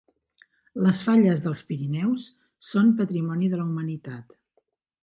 Les falles dels Pirineus són Patrimoni de la Humanitat